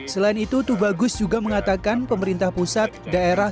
selain itu tubagus juga mengatakan pemerintah pusat daerah